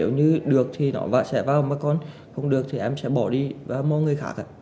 nếu như được thì nó sẽ vào mà còn không được thì em sẽ bỏ đi vào mọi người khác